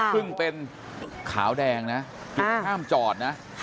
ซึ่งเป็นขาวแดงไม่ต้องจอด